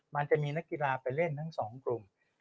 มันจะมีนักกีฬาไปเล่นทั้งสองกลุ่ม